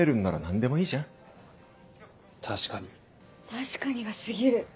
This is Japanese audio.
確かにが過ぎる。